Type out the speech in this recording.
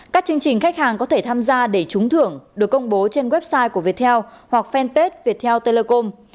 các chương trình khách hàng có thể tham gia để trúng thưởng được công bố trên website của viettel hoặc fanpage viettel telecom